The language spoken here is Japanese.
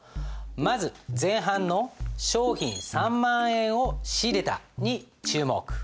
まず前半の「商品３万円を仕入れた」に注目。